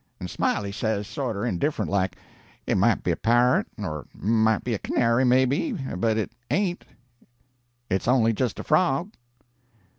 "And Smiley says, sorter indifferent like, 'It might be a parrot, or it might be a canary, maybe, but it ain't it's only just a frog.'